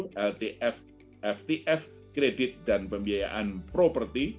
dengan tepat keuntungan kredit dan pembiayaan properti